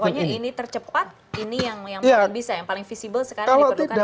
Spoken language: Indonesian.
pokoknya ini tercepat ini yang paling bisa yang paling visible sekarang diperlukan